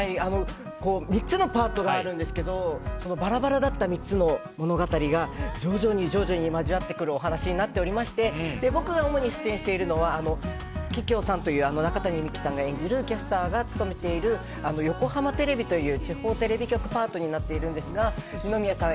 ３つのパートがあるんですけどそのバラバラだった３つの物語が徐々に交わってくるお話になっておりまして僕が主に出演しているのは桔梗さんという中谷美紀さんが演じるキャスターが務めている横浜テレビという地方テレビ局パートになっているんですが二宮さん